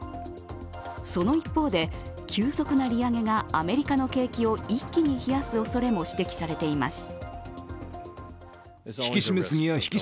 その一方で、急速な利上げがアメリカの景気を一気に冷やすおそれも指摘されています。